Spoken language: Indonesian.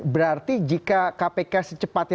berarti jika kpk secepatnya